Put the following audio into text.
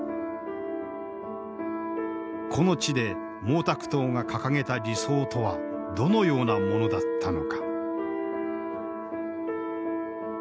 この地で毛沢東が掲げた理想とはどのようなものだったのか。